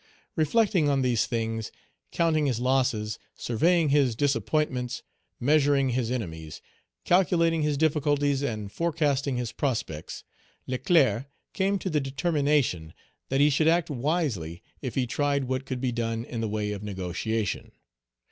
Reflecting on these things, counting his losses, surveying his disappointments, measuring his enemies, calculating his difficulties, and forecasting his prospects, Leclerc came to the determination that he should act wisely if he tried what could be done in the way of negotiation.